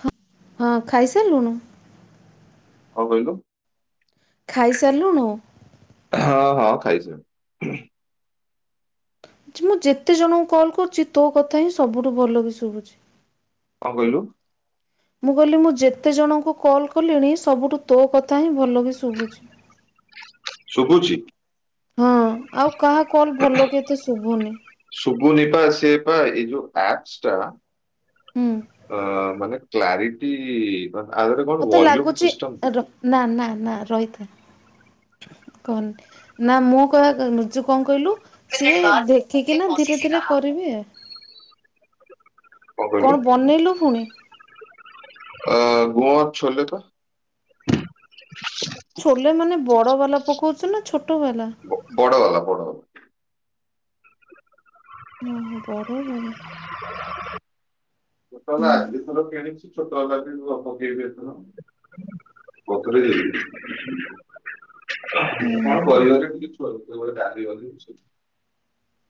ହଁ ହଁ ଖାଇ ସାରଲୁଣୁ? କଁ କହିଲୁ? ଖାଇ ସାରଲୁଣୁ? ହଁ ହଁ ଖାଇସା ଚି ମୁଁ ଯେତେ ଜଣଙ୍କୁ କଲ୍ କରୁଚି ତୋ କଥା ହିଁ ସବୁଠୁ ଭଲ ବି ଶୁଭୁଚି। କଁ କହିଲୁ? ମୁଁ କହିଲି ମୁଁ ଯେତେ ଜଣଙ୍କୁ କଲ୍ କଲିଣି ସବୁଠୁ ତୋ କଥା ହିଁ ଭଲ କି ଶୁଭୁଛି। ଶୁଭୁଚି? ହଁ ଆଉ କାହା କଲ୍ ଭଲ କି ଏତେ ଶୁଭୁନି। ଶୁବୁନି ପା ସିଏ ପା ଏଇ ଯୋଉ ଆପସ୍ ଟା ହୁଁ ଅ ମାନେ କ୍ଲାରିଟି ବା ଆଗରେ କଣ ଭଲ୍ୟୁମ୍ ସିଷ୍ଟମ୍ ନାଁ ନାଁ ନାଁ ରହିଥା। କହନ୍ତି ନାଁ ମୁଁ କହ ଯୋଉ କଁ କହିଲୁ? ସିଏ ଦେଖିକି ନା ଧୀରେ ଧୀରେ କରିବେ। କଣ ବନେଇଲୁ ପୁଣି? ଅ ଗୁଆଁ ଛୋଲେ ପା। ଛୋଲେ ମାନେ ବଡ଼ ବାଲା ପକଉଚୁ ନାଁ ଛୋଟ ବାଲା? ବଡ଼ ବାଲା ବଡ଼। ଓହୋ ବଡ଼ ବାଲା। ଗୋଟେ ହେଲା ଆ ହୁଁ ଦି ଥର କିଣିଚି। ଛୋଟ ହେଲା ଦିନଠୁ ଅ ପକେଇବି ଏଥର ବଦୁଳେଇଦେଇ ଏବେ କଣ ହୁଁ କରିବରେ ଟିକେ ଛୁଆକୁ ତ ମୋର ଡାଲି ଗନ୍ଧଉଛି।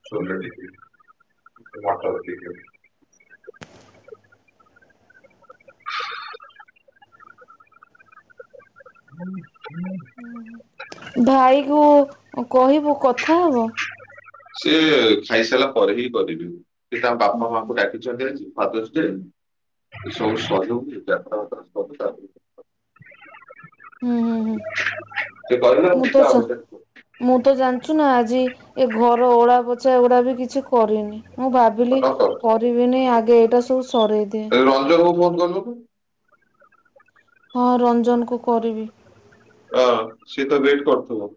ଛୁଆପିଲା ଟିକେ ଉଁ ସେ ଭାତ ବସେଇଚନ୍ତି। ଉଁ ହୁଁ ଭାଇକୁ କହିବୁ କଥା ହବ। ସିଏ ଖାଇସାଇଲା ପରେ ହିଁ କରିବି ଇଏ ତାଙ୍କ ବାପା ମାଆଙ୍କୁ ଡାକିି ଯଦି ଆଜି ଫାଦର୍ସ୍ ଡେ ଏ ସବୁ ସହି ହୋଉନି ଯାତ୍ରା ଆତ୍ରା ସବୁ ସାରଦେଇଚ। ହୁଁ ହୁଁ ହୁଁ ସେ କହିଲା ମୁଁ ଦିଟା ତୋସ ଅଢେଇଟା ମୁଁ ତ ଜାଣିଚୁ ନା ଆଜି ଏ ଘର ଓଳା ପୋଛା ଏଉରି ବି କିଛି କରିନି। ମୁଁ ଭାବିଲି ନ କର କରିବିନି ଆଗେ ଏଇଟା ସବୁ ସରେଇଦିଏ। ରଞ୍ଜନକୁ ଫୋନ୍ କଲୁନୁ? ହଁ ରଞ୍ଜନକୁ କରିବି। ଅ ସିଏ ତ ୱେଟ୍ କରୁଥୁବ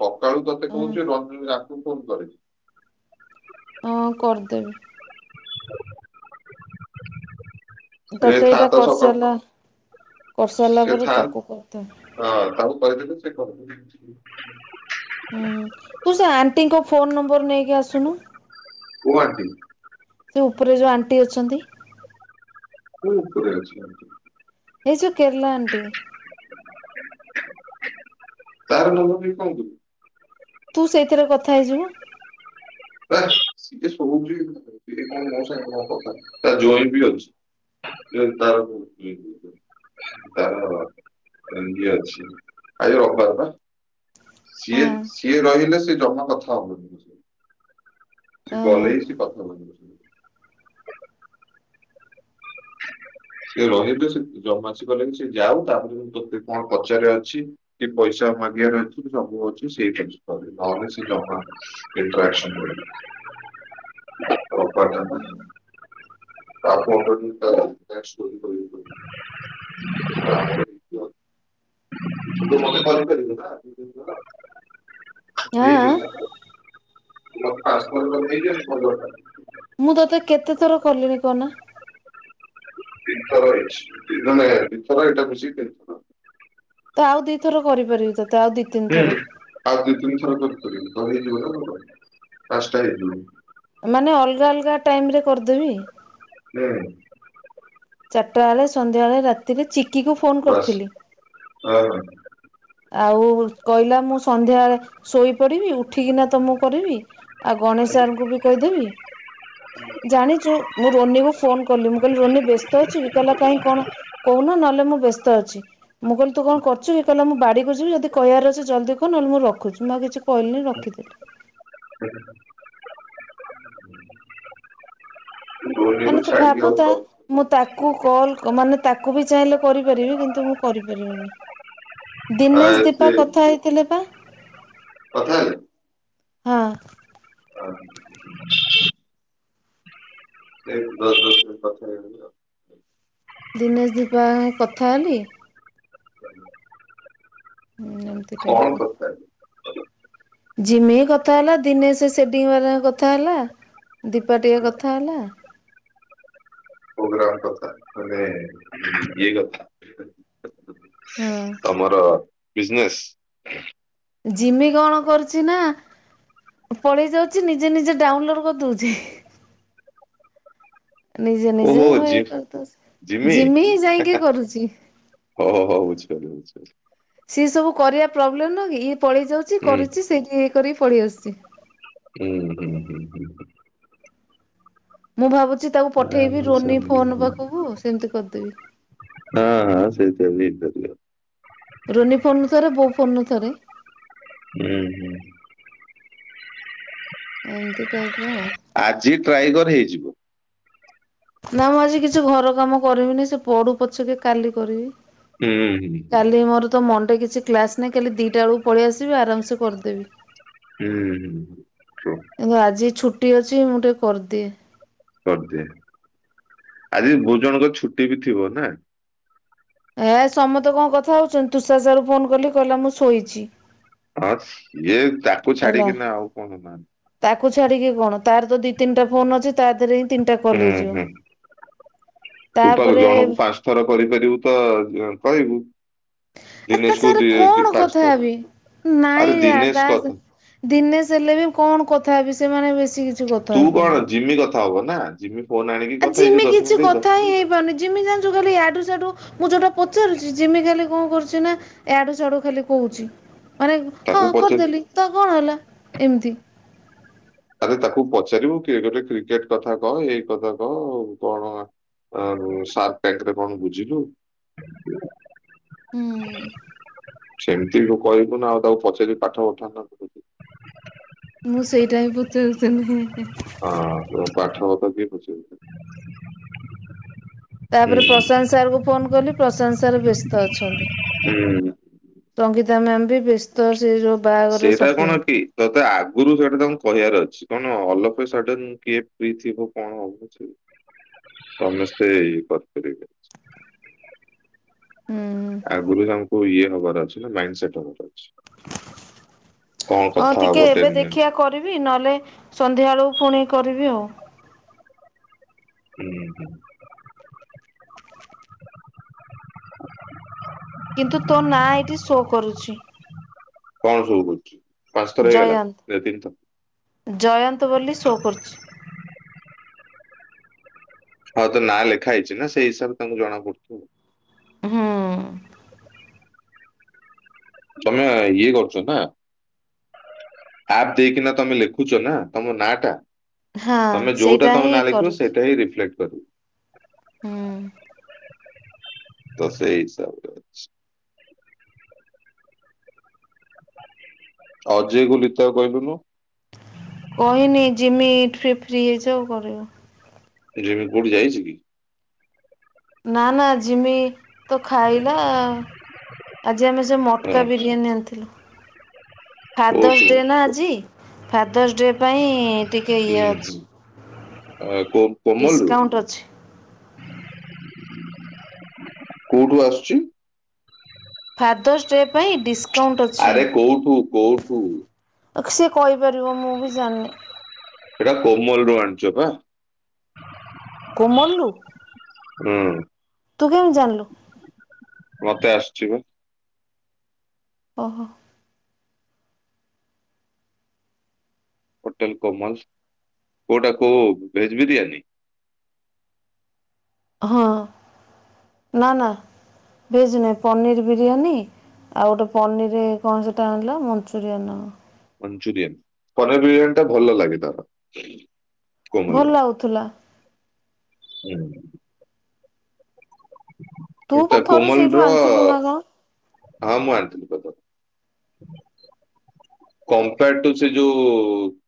ସକାଳୁ ତତେ ହଁ କୋହୁଚି ରଞ୍ଜନ ୟାକୁ ଫୋନ୍ କରେ। ହଁ କରିଦେବି। ଏ ତତେ ଏଇଟା ଛାତ ସକାଳୁ କରିସାରିଲା କରିସାରିଲା ସେ ପରେ ଥାଆ ତାକୁ କରିଦେବି ହଁ ତାଙ୍କୁ କରିଦେଲେ ସେ କରିଦେଇ ଜିନଷ [inaudible] ହୁଁ ତୁ ସେ ଆଣ୍ଟିଙ୍କ ଫୋନ୍ ନମ୍ବର୍ ନେଇକି ଆସୁନୁ। କୋଉ ଆଣ୍ଟି? ସେ ଉପରେ ଯୋଉ ଆଣ୍ଟି ଅଛନ୍ତି। ମୁଁ ଉପରେ ଅଛି [unintelligible] ଏଇ ଯଉ କେରଲା ଆଣ୍ଟି [unintelligible] ତୁ ସେଇଥିରେ କଥା ହେଇଯିବୁ। [unintelligible] କଥା ତା ଜ୍ୱାଇଁ ବି ଅଛି। [unintelligible] [unintelligible] ସିଏ ହଁ ସିଏ ରହିଲେ ସେ ଜମା କଥା ହବନି। ସହିତ। ସେ ଓହୋ। ଗଲେ ହିଁ ସେ କଥା ମାନିବ। ସେ ରହିବେ ସେ ଜମା [unintelligible] ସେ ଯାଉ ତାପରେ ତୋତେ କଣ ପଚାରିବାର ଅଛି ଟିକେ ପଇସା ମାଗିବାର ଅଛି [unintelligible] ସବୁ ଅଛି [unintelligible] ନହେଲେ ସେ ଜମା [unintelligible] [unintelligible] [unintelligible] [unintelligible] [unintelligible] ଆଁ [unintelligible] ମୁଁ ତୋତେ କେତେ ଥର କଲିଣି କହନା? ତିନଥର ହେଇଛି ମାନେ ଦିଥର ଏଇଟା ମିଶିକି ତିନି ଥର ତ ଆଉ ଦିଥର କରିପାରିବି ତତେ ଆଉ ଦି ତିନି ହୁଁ ଥର ଆଉ ଦି ତିନି ଥର କରିପାରିବି ତ ହେଇଯିବ ନା ତମର ପାଞ୍ଚଟା ହେଇଯିବ। ମାନେ ଅଲଗା ଅଲଗା ଟାଇମରେ କରିଦେବି? ହୁଁ। ଚାରିଟା ବେଳେ ସନ୍ଧ୍ୟାବେଳେ ରାତିରେ ଚିକିକୁ ଫୋନ୍ କରିଥିଲି। ହଉ। ଆଉ କହିଲା ମୁଁ ସନ୍ଧ୍ୟାଳେ ଶୋଇପଡିବି ଉଠିକିନା ତ ମୁଁ କରିବି। ଆଉ ଗଣେଶ ସାର୍ ଙ୍କୁ ବି କହିଦେବି। ଜାଣିଛୁ ମୁଁ ରୋନି କୁ ଫୋନ କଲି ମୁଁ କହିଲି ରୋନି ବ୍ୟସ୍ତ ଅଛିୁ କି କହିଲା କାଇଁ କଣ? କହୁନ ନହେଲେ ମୁଁ ବ୍ୟସ୍ତ ଅଛି ମୁଁ କହିଲି ତୁ କଣ କରୁଛୁ କି କହିଲେ ମୁଁ ବାଡ଼ିକୁ ଯିବି ଯଦି କହିବାର ଅଛି ଜଲଦି କହ ନ ହେଲେ ମୁଁ ରଖୁଛି ମୁଁ ଆଉ କିଛି କହିଲିନି ରଖିଦେଲି। ହୁଁଁ। ଧୋନିକୁ ମାନେ ତୁ ଛାଡିକି ଆଉ ଭାବୁତା ସମସ୍ତେ ମୁଁ ତାକୁ କଲ୍ ମାନେ ତାକୁ ବି ଚାହିଁଲେ କରିପାରିବି କିନ୍ତୁ ମୁଁ କରିପାରିବିନି। ଆ ଦିନେଶ ସେ ଦୀପା କଥା ହେଇଥିଲେ ପା। କଥା ହେଲେ। ହଁ। ହଉ। ଏ ଦଶ [inaudible] ଦିନେ ଧୂପା କଥା ହେଲି। ହୁଁ। କଣ କଥା ହେଲୁ। ଝିମି କଥା ହେଲା ଦିନେଶ ସେ ସେଟିଙ୍ଗ ବାଲା କଥା ହେଲା ଦୀପା ଟିକେ କଥା ହେଲା। କଣ କଥା ମାନେ ଇଏ କଥା ହାଁ। ହଁ ତମର ବିଜନେସ୍? ଜିମି କଣ କରୁଛି ନା ପଳେଇ ଯାଉଛି ନିଜେ ନିଜେ ଡାଉନଲୋଡ କରିଦଉଛି। ନିଜେ ନିଜେ ଓହୋ ଭ ଜି କରି ଦଉଛି ଜିମି ଜିମିି ଯାଇକି କରୁଛି। ହଉ ହଉ ବୁଝି ପାରିଲି ବୁଝି ପାରିଲି। ସିଏ ସବୁ କରିବା ପ୍ରୋବ୍ଲେମ ନ ଇଏ ପଳେଇ ଯାଉଛି ହୁଁ କରୁଛି ସେଇଠି ଇଏ କରିକି ପଳେଇ ଆସୁଛି। ହୁଁ ହୁଁ ହୁଁ ହୁଁ। ମୁଁ ଭାବୁଛି ତାକୁ ହୁଁ ପଠେଇବି ରୋନି ହୁଁ ଫୋନ ହୁଁ ପାଖକୁ ସେମିତି କରିଦେବି। ହଁ ହଁ ସେଇ [inaudible] ରୋନି ଫୋନ୍ନ ଥରେ ବୋଉ ଫୋନ ନୁଥରେ ହୁଁ ହୁଁ ଏମିତି ଟାଇପ ର ଆଜି ଟ୍ରାଏ କରେଇଛୁ ନା ମୁଁ ଆଜି କିଛି ଘର କାମ କରିବିନି ସେ ପଡୁ ପଛକେ କାଲି କରିବି ହୁଁ ହୁଁ କାଲି ମୋର ତ ମନ ଟରେ କିଛି କ୍ଲାସ ନାହିଁ କାଲି ଦିଟା ବେଳକୁ ପଳେଇ ଆସିବି ଆରାମ ସେ କରିଦେବି ହୁଁ ହୁଁଁ କିନ୍ତୁ ଆଜି ଛୁଟି ଅଛି ମୁଁ ଟିକେ କରିଦିଏ କରିଦିଏ ଆଜି ବହୁତ ଜଣଙ୍କ ଛୁଟି ବି ଥିବ ନା ଏ ସମସ୍ତେ କଣ କଥା ହଉଛନ୍ତି ତୁଷାର ସାର୍ ରରୁ ଫୋନ କଲି କହିଲା ମୁଁ ଶୋଇଛି ହଁ ଇଏ ତାକୁ ହେଲା। ଛାଡିକିନା ଆଉ କଣ ତାକୁ ଛାଡିକି କଣ ତାର ତ ଦି ତିନିଟା ଫୋନ ଅଛି ତା ଦେହରେ ତିନିଟା ହୁଁ କଲେଜ ହୁଁ। ତୁ ପା ତାପରେ ଜଣକୁ ପାଞ୍ଚ ଥର କରିପାରିବୁ ତ କହିବୁ ଆ ତା ଦିନେଶକୁ ସାଙ୍ଗରେ ଦି ଦି କଣ ପାଞ୍ଚ କଥା ଥର ହେବି ଆରେ ନାଇଁ ରେ ଦିନେଶ ଆ କଥା ଦିନେେଶ ହେଲେ ବି କଣ କଥା ହେବି ସେମାନେ ବେଶୀ କି ତୁ କଣ ଜିମି କଥା ହବ ନା ଜିମି ଫୋନ୍ ଆଣିକ ଆ ଯିମି କିଛି କଥା ହିଁ ହେଇପାରୁନି ଜିମି ଜାଣିଛୁ ଖାଲି ଇଆଡୁ ସିଆଡୁ ମୁଁ ଯୋଉଟା ପଚାରୁଛିି ଜିମି ଖାଲି କଣ କରୁଛି ସେନା ଆଡୁ ଚଡୁ ଖାଲି କହୁଛି ମାନେ ହଁ ତାକୁ ପଚାରିବୁ କରିଦେଲି ତ କଣ ହେଲା ଏମିତି ତାରେ ତାକୁ ପଚାରିବୁ କି ଗୋଟେ କ୍ରିକେଟ କଥା କହ ଏଇ କଥା କହ କଣ ଆ ସାର୍ ଟ୍ୟାଙ୍କରେ କଣ ବୁଝିଲୁ ସେମିତି କହିବୁ ନା ଆଉ ତାକୁ ପଚାରିକି ପାଠ ପଠ ମୁଁ ସେଇଟା ହଁ ପଚାରୁଥିଲ ନାହିହେ ହଁ ତ ପାଠା ବତା କିଏ ପଚିବ ତାପରେ ପ୍ରଶାନ୍ତ ସାର୍ କ ଫୋନ କଲି ପ୍ରଶାନ୍ତ ସାର୍ ବ୍ୟସ୍ତ ଅଛନ୍ତି ହୁଁ ସଙ୍ଗୀତା ମ୍ୟାମ୍ ବି ବ୍ୟସ୍ତ ସେ ବାହାଘରରେ ସପିଙ୍ଗ ତୋତେ ଆଗରୁ ସେଇଟା ତାଙ୍କୁ କହିବାର ଅଛି କଣ ଅଲ ଅଫ ସଡ଼ନ କିଏ ପ୍ରି ଥିବ କଣ ହବ ସମସ୍ତେଇ କରପିବେ ହୁଁ ଆଗରୁ ତାଙ୍କୁ ଇଏ ହବାର ଅଛି ମାଇଣ୍ଡ ସେଟ ଅଫ ହବାର ଅଛି କଣ ହଁ କଥା ହବ ଟିକେ ଏବେ ଟେନ୍ ମିନିଟ୍ସ ଦେଖିବା କରିବି ନହେଲେ ସନ୍ଧ୍ୟାବେଳକୁ ପୁଣି କରିବି ଆଉ ହୁଁ ହୁଁ କିନ୍ତୁ ତୋ ନା ଏଠି ଶୋ କରୁଛି କଣ ସବୁ କରୁଛୁ ପାଞ୍ଚ ଥର ହେଇଗଲା ଜୟନ୍ତ ନା ତିନି ଥର ଜୟନ୍ତ ବୋଲି ଶୋ କରୁଛି ହଁ ତ ନାଁ ଲେଖା ହେଇଛି ନା ସେଇ ହିସାବରେ ତାଙ୍କୁ ଜଣା ପଡୁଥିବ ହଁ ତମେ ଇଏ କରୁଛ ନା ଆପ ଦେଇକିନା ତମେ ଲେଖୁଛ ନା ତମ ନା ଟା ହଁ ତମେ ଯୋଉଟା ସେଇଟା ତମ ହିଁ ନା ଲେଖିବ କରୁଛି। ସେଇଟା ହିଁ ରିଫ୍ଲେକ୍ଟ କରିବୁ ହୁଁ ତ ସେଇସବ ଅଜୟ କୁ ଲତା କହିଲୁନୁ କହିନି ଜିମି ଫ୍ରି ଫ୍ରି ହେଇଯାଉ କରିବ। ି କୋଉଠି ଯାଇଛି କି ନା ନା ଜିମି ତ ଖାଇଲା ଆଜି ଆମେ ସେ ହଁ ମଟକା ବିରିୟାନୀ ଆଣିଥିଲୁ ଫାଦର୍ସ କୋଉଠୁ ଡେ ନା ଆଜି ଫାଦର୍ସ ଡେ ପାଇଁ ଟିକେ ଇଏ ଅଛି। [inaudible] ଅ କୋ କୋମଲରୁୁ ଡିସକାଉଣ୍ଟ ଅଛି କୋଉଠୁ ଆସୁଛି? ଫାଦର୍ସ ଡେ ପାଇଁ ଡିସକାଉଣ୍ଟ୍ ଅଛି। ଆରେ କୋଉଠୁ କୋଉଠୁ ସିଏ କହିପାରିବ ମୁଁ ବି ଜାଣିନି। ହେଇଟା କୋମଲ ରୁ ଆଣିଛ ପା। କୋମଲ୍ ରୁ ହୁଁ ତୁ କେମିତି ଜାଣିଲୁ? ମତେ ଆସୁଛି ପା। ଓହୋ। ହୋଟେଲ କୋମଲ୍ କୋଉଟା କୋଉ ଭେଜ ବିରିୟାନୀ? ହଁ ନା ନା ଭେଜ ନୁହେଁ ପନିର ବିରିୟାନୀ ଆଉ ଗୋଟେ ପନିରରେ କଣ ସେଇଟା ଆଣିଲା ମଞ୍ଚୁରିଆନ୍ କଣ? ମଞ୍ଚୁରିଆନ୍ କନ ବିରିୟାନୀ ଟା ଭଲ ଲାଗେ ତାର। କୋମଲର ଭଲ ଲାଗୁଥିଲା। ହୁଁ। ତୁ ବା ଏଇଟା ଥରେ କୋମଲ ସେଇଠୁ ର ଆଣିଥିଲୁ ନା କଣ? ହଁ ମୁଁ ଆଣିଥିଲି [unintelligible] କମ୍ପୋର୍ ଟୁ ସେ ଯୋଉ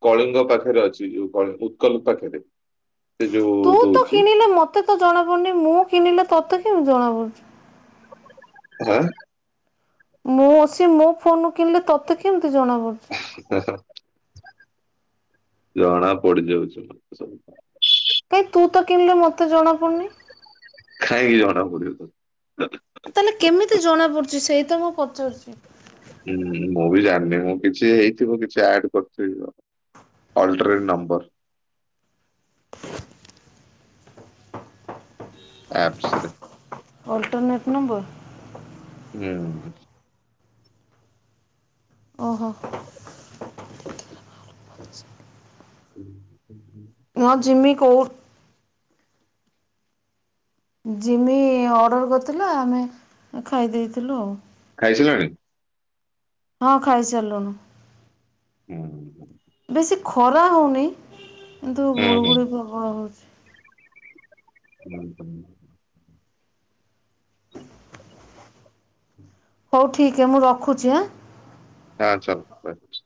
କଳିଙ୍ଗ ପାଖରେ ଅଛି ଯୋଉ ଉ ଉତ୍କଳ ପାଖରେ। ଁ [inaudible] ସେ ଯୋଉ ତୁ ତ ଦଉଛି କିଣିଲେ ମତେ ତ ଜଣାପଡୁନି ମୁଁ କିଣିଲେ ତୋତେ କେମିତି ଜଣାପଡୁଛି? ହା। ମୁଁ ସିଏ ମୋ ଫୋନ ରୁ କିଣିଲେ ତତେ କେମିତି ଜଣା ପଡୁଛି। [unintelligible] ଜଣା ପଡି ଯାଉଛି ମୋତେ ସବୁ। କାଇଁ ତୁ ତ କିଣିଲେ ମତେ ଜଣାପଡୁନି? କାହିଁକି ଜଣା ପଡିବ। ତାହେଲେ କେମିତି ଜଣା ପଡୁଛି ସେଇ ତ ମୁଁ ପଚାରୁଛି। ହୁଁ ମୁଁ ବି ଜାଣିନି ମୁଁ କିଛି ହେଇଥିବ କିଛି ଆଡ କରିଥିବି କି କଣ? Alternate number. ଆପ୍ସରେ। Alternate number. ହୁଁ। ଓହୋ। ହୁଁ ମ ଜିମି କୋଉ ଜିମି ଅର୍ଡ଼ର କରିଥିଲା ଆମେ ଖାଇ ଦେଇଥିଲୁ ଆଉ ଖାଇ ସାରିଲଣି? ହଁ ଖାଇ ସାରିଲୁଣି। ହୁଁ। ବେଶୀ ଖରା ହଉନି କିନ୍ତୁ ହୁଁ ହୁଁ ଗୁଳୁଗୁଳି ପ୍ରବଳ ହଉଛି। ହୁଁ ହୁଁ। ହୁଁ ହଉ ଠିକ୍ ମୁଁ ରଖୁଛି ଆଁ। ହଁ ଚାଲ ବାଏ।